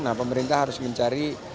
nah pemerintah harus mencari